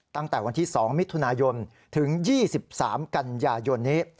ตั้งแต่วันที่๒มิถุนายนถึง๒๓กันยายนนี้